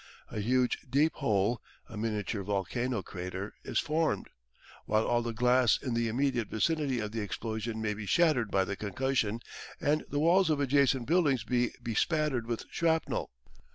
A huge deep hole a miniature volcano crater is formed, while all the glass in the immediate vicinity of the explosion may be shattered by the concussion, and the walls of adjacent buildings be bespattered with shrapnel.